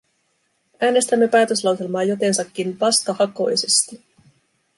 Äänestämme päätöslauselmaa jotensakin vastahakoisesti.